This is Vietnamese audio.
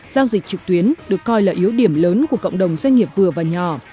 giao dịch trực tuyến được coi là yếu điểm lớn của cộng đồng doanh nghiệp vừa và nhỏ